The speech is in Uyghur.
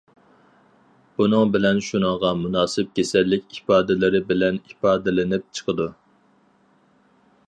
بۇنىڭ بىلەن شۇنىڭغا مۇناسىپ كېسەللىك ئىپادىلىرى بىلەن ئىپادىلىنىپ چىقىدۇ.